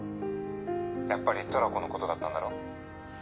やっぱりトラコのことだったんだろ？